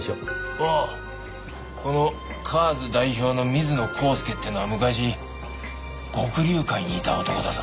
あああのＣＡＲＳ代表の水野浩介っていうのは昔獄龍会にいた男だぞ。